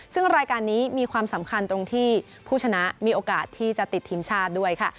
ซึ่งรายการนี้มีความสำคัญตรงที่ผู้ชนะมีโอกาสที่จะติดทีมชาติด้วยค่ะ